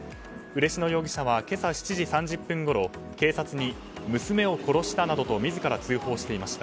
嬉野容疑者は今朝７時３０分ごろ警察に娘を殺したなどと自ら通報していました。